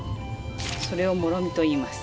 それをもろみといいます。